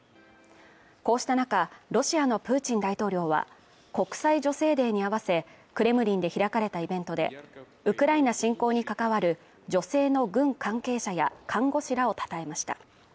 こうした中、ロシアのプーチン大統領は国際女性デーに合わせ、クレムリンで開かれたイベントで、ウクライナ侵攻に関わる女性の軍関係者や看護師らをたたえました。